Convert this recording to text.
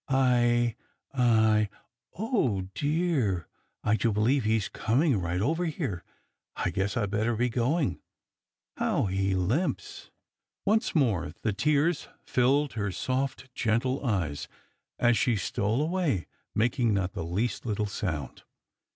I I oh, dear, I do believe he is coming right over here! I guess I better be going. How he limps!" Once more the tears filled her soft, gentle eyes as she stole away, making not the least little sound.